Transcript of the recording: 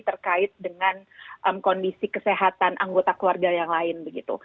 terkait dengan kondisi kesehatan anggota keluarga yang lain begitu